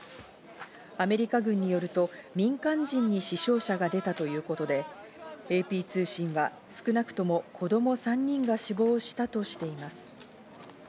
アメリカ軍によると、民間人に死傷者が出たということで、ＡＰ通信は少なくとも子ども３人が死亡したとしています。